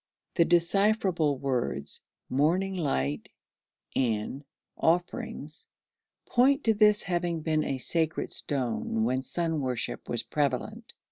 The decipherable words 'morning light' and 'offerings' point to this having been a sacred stone when sun worship was prevalent.